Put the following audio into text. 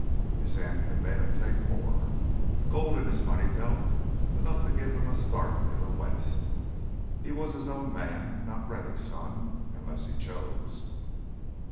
His aunt had made him take more—gold in his money belt, enough to give him a start in the west. He was his own man, not Rennie's son, unless he chose....